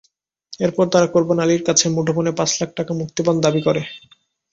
এরপর তারা কোরবান আলীর কাছে মুঠোফোনে পাঁচ লাখ টাকা মুক্তিপণ দাবি করে।